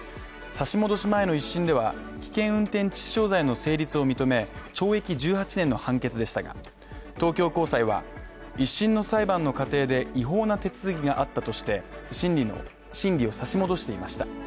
差し戻し前の１審では、危険運転致死傷罪の成立を認め、懲役１８年の判決でしたが、東京高裁は１審の裁判の過程で、違法な手続きがあったとして、審理の審議を差し戻していました。